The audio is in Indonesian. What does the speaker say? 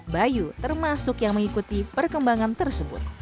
bayu termasuk yang mengikuti perkembangan tersebut